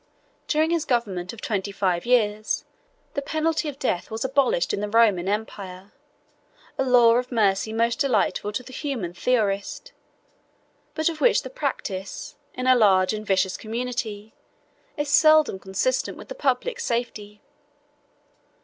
During his government of twenty five years, the penalty of death was abolished in the Roman empire, a law of mercy most delightful to the humane theorist, but of which the practice, in a large and vicious community, is seldom consistent with the public safety.